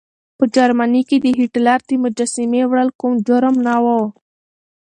په جرمني کې د هېټلر د مجسمې وړل کوم جرم نه و.